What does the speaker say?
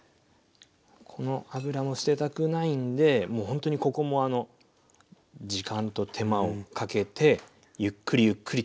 この油も捨てたくないんでほんとにここも時間と手間をかけてゆっくりゆっくりと。